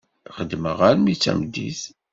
Xedmeγ armi d tameddit.